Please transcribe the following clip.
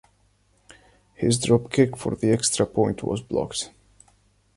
His drop kick for the extra point was blocked.